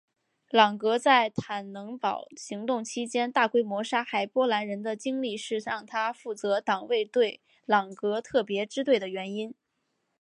朗格在坦能堡行动期间大规模杀害波兰人的经历是让他负责党卫队朗格特别支队的原因。